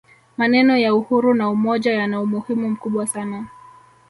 maneno ya uhuru na umoja yana umuhimu mkubwa sana